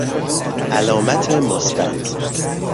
علامت مثبت